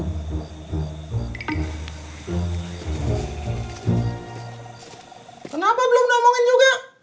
kenapa belum diomongin juga